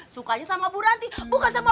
sukanya sama bu ranti bukan sama